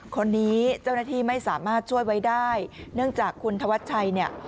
คนนี้เจ้าหน้าที่ไม่สามารถช่วยไว้ได้เนื่องจากคุณธวัชชัยเนี่ย